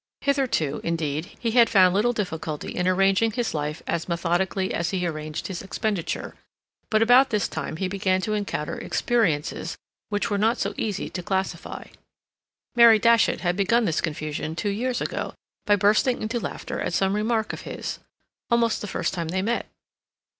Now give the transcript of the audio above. Hitherto, indeed, he had found little difficulty in arranging his life as methodically as he arranged his expenditure, but about this time he began to encounter experiences which were not so easy to classify. Mary Datchet had begun this confusion two years ago by bursting into laughter at some remark of his, almost the first time they met.